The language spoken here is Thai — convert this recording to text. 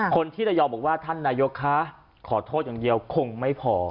คนที่ระยองบอกว่าท่านนายกคะขอโทษอย่างเดียวคงไม่พอ